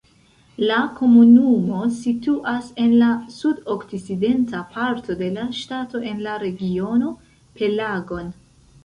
La komunumo situas en la sudokcidenta parto de la ŝtato en la regiono Pelagon.